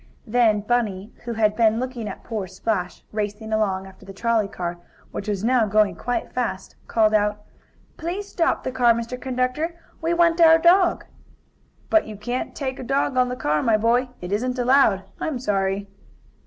Then Bunny, who had been looking at poor Splash, racing along after the trolley car, which was now going quite fast, called out: "Please stop the car, Mr. Conductor. We want our dog!" "But you can't take a dog on the car, my boy. It isn't allowed. I'm sorry."